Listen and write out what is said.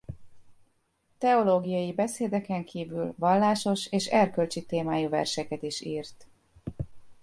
Teológiai beszédeken kívül vallásos és erkölcsi témájú verseket is írt.